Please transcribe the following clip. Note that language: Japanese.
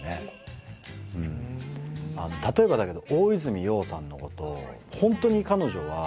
例えばだけど。